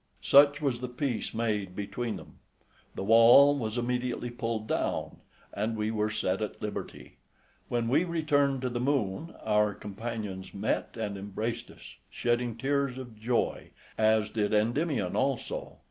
Such was the peace made between them; the wall was immediately pulled down, and we were set at liberty. When we returned to the Moon, our companions met and embraced us, shedding tears of joy, as did Endymion also.